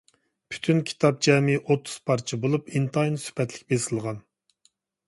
پۈتۈن كىتاب جەمئىي ئوتتۇز پارچە بولۇپ، ئىنتايىن سۈپەتلىك بېسىلغان.